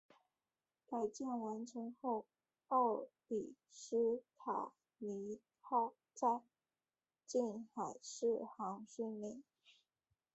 改建完成后奥里斯卡尼号在近海试航训练。